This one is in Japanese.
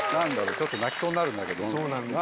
ちょっと泣きそうになるんだけど。